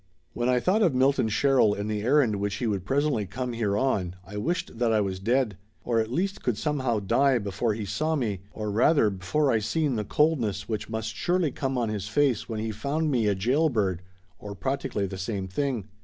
When I thought of Milton Sherrill and the errand which he would presently come here on, I wished that I \vas dead, or at least could somehow die before he saw me, or rather before I seen the coldness which must surely come on his face when he found me a jail bird, or practically the same thing.